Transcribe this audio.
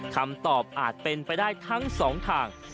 คำตอบอาจเป็นไปได้ทั้งสองทาง